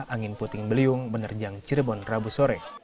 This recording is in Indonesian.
angin puting beliung menerjang cirebon rabu sore